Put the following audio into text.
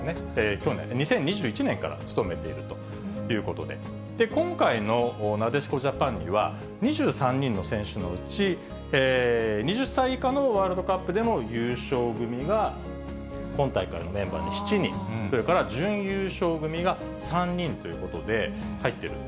去年、２０２１年から務めているということで、今回のなでしこジャパンには、２３人の選手のうち、２０歳以下のワールドカップでの優勝組が、今大会のメンバーに７人、それから準優勝組が３人ということで、入っている。